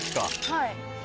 はい。